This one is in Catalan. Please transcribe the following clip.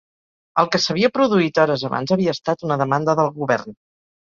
El que s'havia produït hores abans havia estat una demanda del Govern